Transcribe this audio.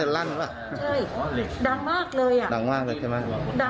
ฟัยก็ลุกขึ้นเลยใช่ไหมครับเป็นชั่วโมงฟัยไม่เห็นไม่เห็น